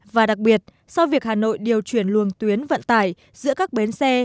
và đặc biệt sau việc hà nội điều chuyển luồng tuyến vận tải giữa các bến xe